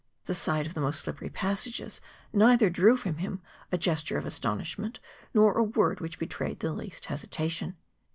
The sight of the most slippery passages neither drew from him a gesture of astonishment, nor a word which betrayed the least hesitation.